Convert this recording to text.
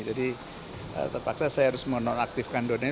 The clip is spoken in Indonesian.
jadi terpaksa saya harus menonaktifkan donanya